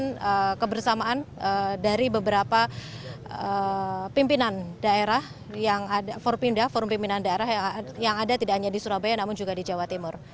jadi kesatuan kebersamaan dari beberapa pimpinan daerah yang ada forum pimpinan daerah yang ada tidak hanya di surabaya namun juga di jawa timur